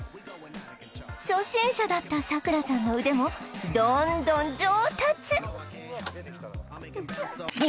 初心者だったさくらさんの腕もどんどん上達！